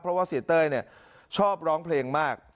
เพราะว่าเสียเต้ยชอบร้องเพลงมาก